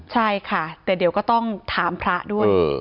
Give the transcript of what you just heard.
ใช่ค่ะแต่เดี๋ยวก็ต้องถามพระด้วย